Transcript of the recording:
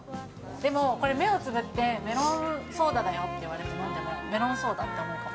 でも、これ、目をつぶって、メロンソーダだよって言われて飲んでも、メロンソーダだと思うかも。